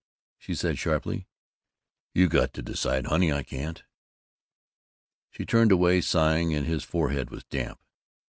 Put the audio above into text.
she said sharply. "You've got to decide, honey; I can't." She turned away, sighing, and his forehead was damp.